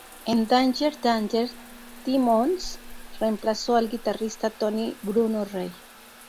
En Danger Danger, Timmons reemplazó al guitarrista Tony "Bruno" Rey.